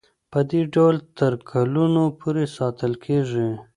پدې ډول تر کلونو پورې ساتل کیږي.